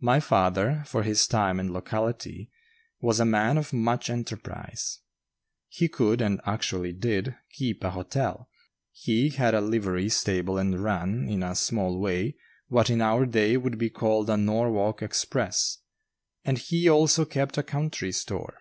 My father, for his time and locality, was a man of much enterprise. He could, and actually did, "keep a hotel"; he had a livery stable and ran, in a small way, what in our day would be called a Norwalk Express; and he also kept a country store.